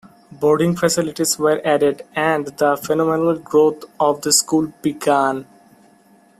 Boarding facilities were added, and the phenomenal growth of the school began.